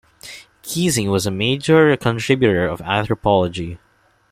Keesing was a major contributor to anthropology.